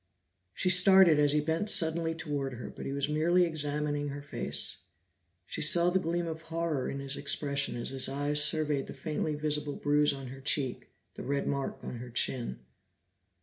She started as he bent suddenly toward her, but he was merely examining her face. She saw the gleam of horror in his expression as his eyes surveyed the faintly visible bruise on her cheek, the red mark on her chin.